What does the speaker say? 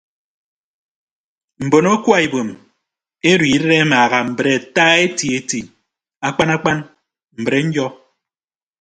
Mbon akwa ibom edo idịd emaaha mbre ata eti eti akpan akpan mbrenyọ.